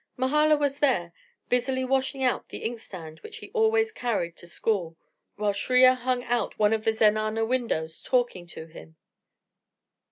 Mahala was there, busily washing out the inkstand which he always carried to school, while Shriya hung out of one of the zenana windows talking to him.